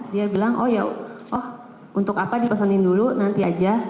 dia bilang oh ya oh untuk apa dipesenin dulu nanti aja